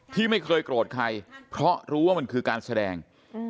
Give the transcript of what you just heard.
ที่ไม่เคยโกรธใครเพราะรู้ว่ามันคือการแสดง